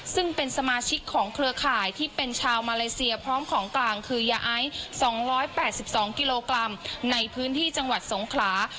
ซึ่งเป็นสมาชิกของเครือข่ายที่เป็นชาวมาเลเซียพร้อมของกลางคือยาไอซ์๒๘๒กิโลกรัมในพื้นที่จังหวัดสงขลา